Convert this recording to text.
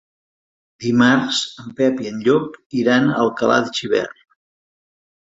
Dimarts en Pep i en Llop iran a Alcalà de Xivert.